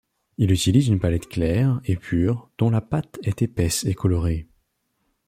Il utilise une palette claire et pure dont la pâte est épaisse et colorée.